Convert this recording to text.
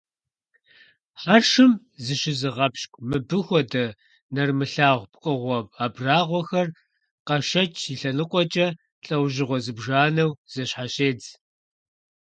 Хьэршым зыщызыгъэпщкIу мыбы хуэдэ нэрымылъагъу пкъыгъуэ абрагъуэхэр, къашэч и лъэныкъуэкIэ, лIэужьыгъуэ зыбжанэу зэщхьэщедз.